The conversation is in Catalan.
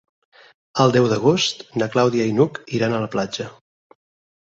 El deu d'agost na Clàudia i n'Hug iran a la platja.